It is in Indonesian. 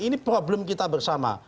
ini problem kita bersama